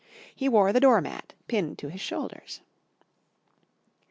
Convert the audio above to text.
He wore the door mat pinned to his shoulders.